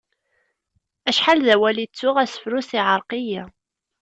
Acḥal d awal i ttuɣ... asefru-s iɛreq-iyi.